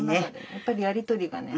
やっぱりやり取りがね。